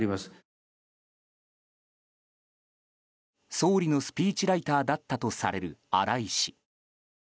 総理のスピーチライターだったとされる荒井氏。